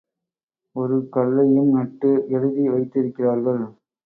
ஒரு கல்லையும் நட்டு எழுதி வைதிருக்கிறார்கள்.